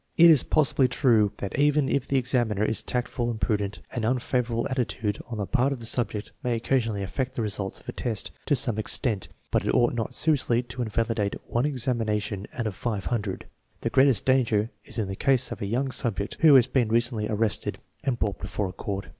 It is possibly true that even if the examiner is tactful and prudent an unfavorable attitude on the part of the subject may occasionally affect the results of a test to some extent, but it ought not seriously to invalidate one examina tion out of five huncbed. The greatest danger is in the case of a young subject who has been recently arrested and brought before a court.